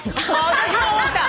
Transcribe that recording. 私も思った！